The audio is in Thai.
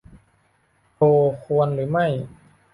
โพล ควรหรือไม่